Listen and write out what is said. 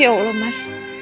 ya allah mas